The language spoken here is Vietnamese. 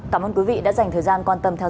cảm ơn quý vị đã dành thời gian quan tâm theo dõi